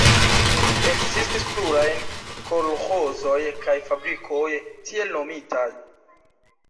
Ekzistis pluraj kolĥozoj kaj fabrikoj, tiel nomitaj.